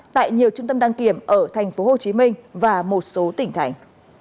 tại nhiều trung tâm đăng kiểm ở tp hcm và một số tỉnh thành